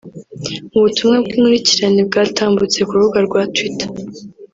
Mu butumwa bw’inkurikirane bwatambutse ku rubuga rwa Twitter